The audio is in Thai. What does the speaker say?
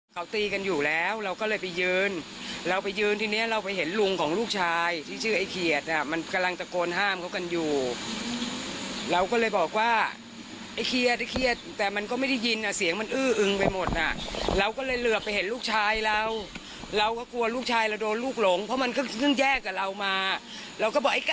แม่งเข้าบ้านมึงเข้าบ้านมึงอ่ะเข้าบ้านให้มันเข้ามา